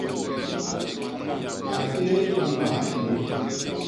A téé i mbaa hyéé.